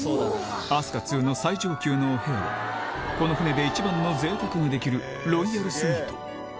飛鳥の最上級のお部屋はこの船で一番の贅沢ができるロイヤルスイート